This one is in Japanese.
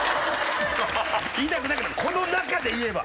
言いたくないけどこの中で言えば。